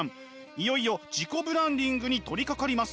いよいよ自己ブランディングに取りかかります。